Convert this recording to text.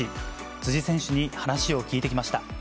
辻選手に話を聞いてきました。